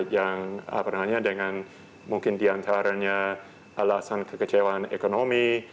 yang mungkin diantaranya alasan kekecewaan ekonomi